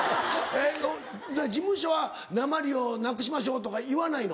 事務所はなまりをなくしましょうとか言わないの？